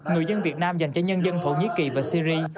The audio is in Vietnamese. người dân việt nam dành cho nhân dân thổ nhĩ kỳ và syri